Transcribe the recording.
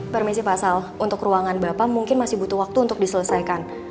permisi pasal untuk ruangan bapak mungkin masih butuh waktu untuk diselesaikan